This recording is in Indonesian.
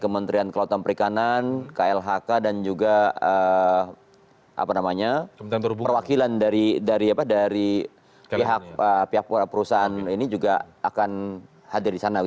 kementerian kelautan perikanan klhk dan juga perwakilan dari pihak perusahaan ini juga akan hadir di sana